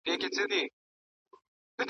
نرم او خوږ وږم په خونه کې خپور شوی دی.